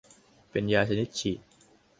ที่เป็นยาชนิดฉีด